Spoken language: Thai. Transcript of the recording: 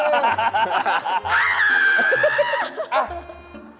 เอามาเล่น